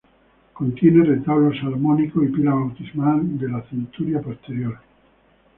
Contiene retablo salomónico y pila bautismal de la centuria posterior.